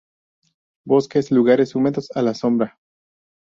Bosques, lugares húmedos a la sombra.